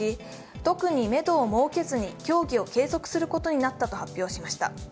特にメドを設けずに協議を継続することになったと発表しました。